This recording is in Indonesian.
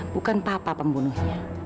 bukan bapak pembunuhnya